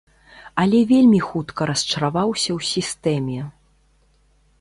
Але вельмі хутка расчараваўся ў сістэме.